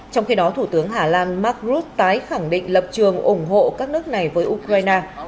trong khi đó thủ tướng hà lan mark rutte tái khẳng định lập trường ủng hộ các nước này với ukraine